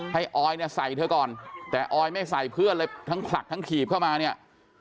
ออยเนี่ยใส่เธอก่อนแต่ออยไม่ใส่เพื่อนเลยทั้งผลักทั้งถีบเข้ามาเนี่ย